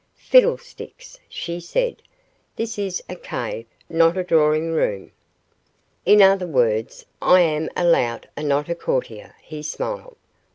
"Fiddlesticks!" she said. "This is a cave, not a drawing room." "In other words, I am a lout and not a courtier," he smiled.